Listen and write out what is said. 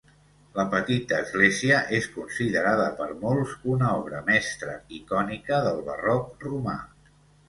La petita església és considerada per molts una obra mestra icònica de barroc romà.